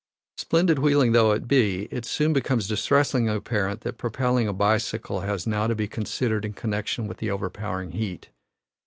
Splendid wheeling though it be, it soon becomes distressingly apparent that propelling a bicycle has now to be considered in connection with the overpowering heat.